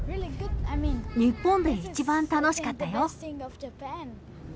日本で一番楽しかったよ。